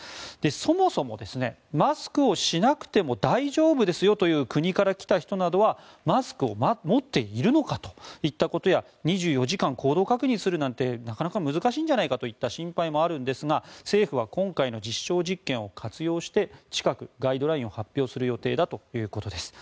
そもそも、マスクをしなくても大丈夫ですよという国から来た人はマスクを持っているのかといったことや２４時間行動確認するなんてなかなか難しいんじゃないかといった心配もあるんですが政府は今回の実証実験を活用して近く、ガイドラインを発表する予定だということです。